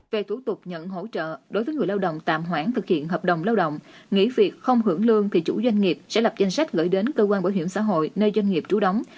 về thủ tục nhận hỗ trợ đối với người lao động tạm hoãn thực hiện hợp đồng lao động nghỉ việc không hưởng lương thì chủ doanh nghiệp sẽ lập danh sách gửi đến cơ quan bảo hiểm xã hội nơi doanh nghiệp trú đóng